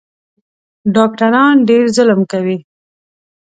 ډاکټران ډېر ظلم کوي